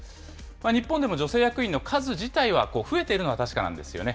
日本でも女性役員の数自体は増えているのは確かなんですよね。